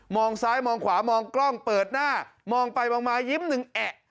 ซ้ายมองขวามองกล้องเปิดหน้ามองไปมองมายิ้มหนึ่งแอะ